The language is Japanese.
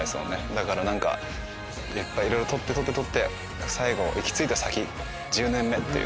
だからやっぱいろいろ撮って撮って撮って最後行き着いた先１０年目っていうか。